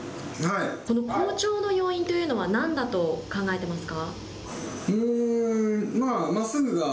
その好調の要因というのは何だと考えてますか。